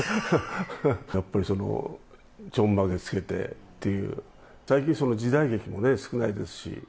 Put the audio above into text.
やっぱりその、ちょんまげつけてっていう、最近時代劇もね、少ないですし。